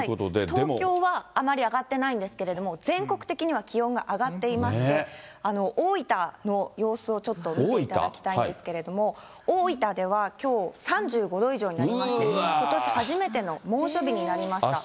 東京はあまり上がってないんですけれども、全国的には気温が上がっていまして、大分の様子をちょっと見ていただきたいんですけれども、大分ではきょう、３５度以上になりまして、ことし初めての猛暑日になりました。